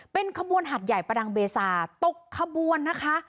เป็นขบวนหัดใหญ่ประดังเบซาตกขบวนนะคะ